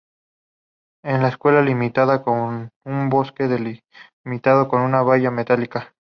La escuela limita con un bosque delimitado con una valla metálica.